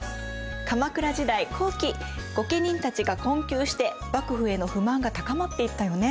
鎌倉時代後期御家人たちが困窮して幕府への不満が高まっていったよね。